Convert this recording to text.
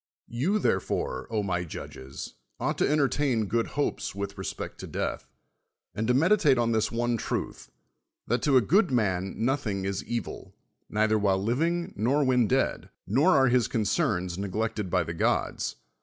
You, therefore, my judges, ought to enter tain good hopes with respect to death, and to meditate on this one truth, that 1o a good man nothing is evil, neither while ]ivi; ig nor when dead, nor are his concerns neglected by the gods.